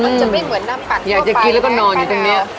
มันจะไม่เหมือนน้ำปั่นอยากจะกินแล้วก็นอนอยู่ตรงเนี้ย